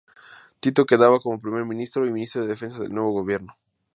Tito quedaba como primer ministro y ministro de Defensa del nuevo gobierno.